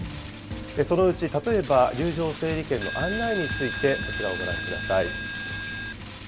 そのうち例えば、入場整理券の案内について、こちらをご覧ください。